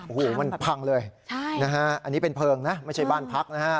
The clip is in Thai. โอ้โหมันพังเลยใช่นะฮะอันนี้เป็นเพลิงนะไม่ใช่บ้านพักนะฮะ